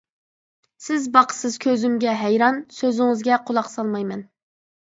سىز باقىسىز كۆزۈمگە ھەيران، سۆزىڭىزگە قۇلاق سالمايمەن.